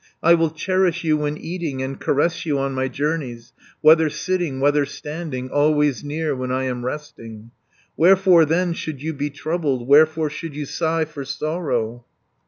250 I will cherish you when eating, And caress you on my journeys, Whether sitting, whether standing, Always near when I am resting. "Wherefore then should you be troubled, Wherefore should you sigh for sorrow?